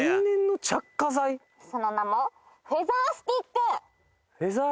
その名もフェザースティック？